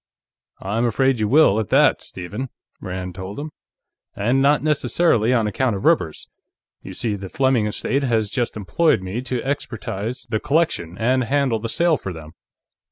"I'm afraid you will, at that, Stephen," Rand told him. "And not necessarily on account of Rivers. You see, the Fleming estate has just employed me to expertize the collection and handle the sale for them."